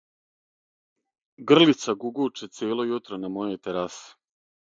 Грлица гугуче цело јутро на мојој тераси.